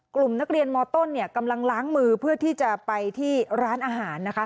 กลุ่มนักเรียนมต้นกำลังล้างมือเพื่อที่จะไปที่ร้านอาหารนะคะ